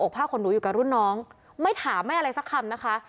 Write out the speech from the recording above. ผ้าขนหนูอยู่กับรุ่นน้องไม่ถามไม่อะไรสักคำนะคะ